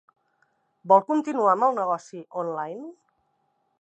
Vol continuar amb el negoci online?